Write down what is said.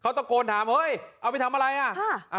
ตะโกนถามเฮ้ยเอาไปทำอะไรอ่ะ